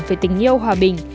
với tình yêu hòa bình